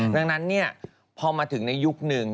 ดังนั้นพอมาถึงในยุคนึง